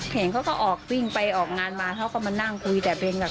เห็นเขาก็ออกวิ่งไปออกงานมาเขาก็มานั่งคุยแต่เบนอ่ะ